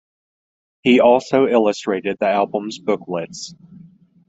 He also illustrated the albums' booklets.